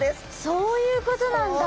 そういうことなんだ！